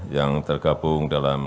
yang tergabung dalam